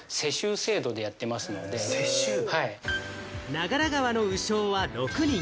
長良川の鵜匠は６人。